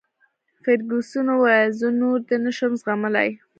فرګوسن وویل: زه نور دی نه شم زغملای.